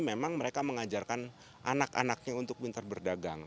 memang mereka mengajarkan anak anaknya untuk pintar berdagang